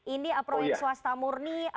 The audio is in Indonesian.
ini proyek swasta murni